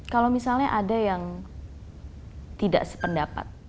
kalau misalnya ada yang tidak sependapat